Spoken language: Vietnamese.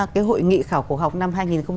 khảo cổ học năm hai nghìn một mươi một